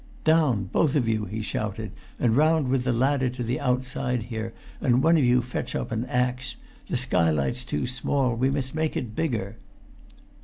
"Down, both of you," he shouted, "and round with the ladder to the outside here, and one of you fetch up an axe. The skylight's too small—we must make it bigger!"